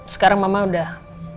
sekarang mama sudah